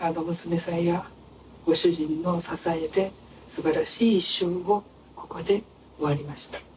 娘さんや、ご主人の支えですばらしい一生をここで終わりました。